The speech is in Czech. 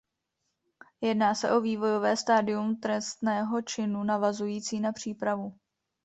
Jedná se o vývojové stádium trestného činu navazující na přípravu.